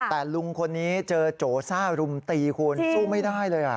แต่ลุงคนนี้เจอโจซ่ารุมตีคุณสู้ไม่ได้เลย